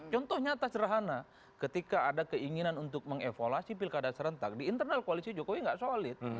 contoh nyata serahana ketika ada keinginan untuk mengevaluasi pilkada serentak di internal koalisi jokowi nggak solid